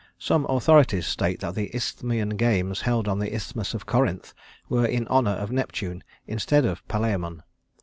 Some authorities state that the Isthmian Games held on the isthmus of Corinth were in honor of Neptune instead of Palæmon.